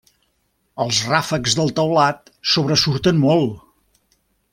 Els ràfecs del teulat sobresurten molt.